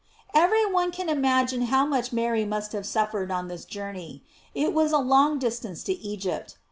J Every one can imagine how much Mary must have suffered on this journey. It was a long distance to Egypt.